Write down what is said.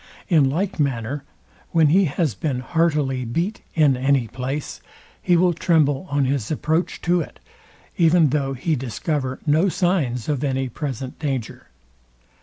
In like manner, when he has been heartily beat in any place, he will tremble on his approach to it, even though he discover no signs of any present danger.